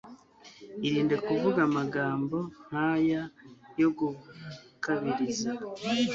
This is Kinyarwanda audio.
irinde kuvuga amagambo nk aya yo gukabiriza